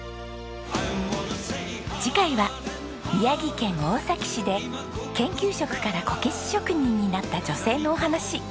次回は宮城県大崎市で研究職からこけし職人になった女性のお話。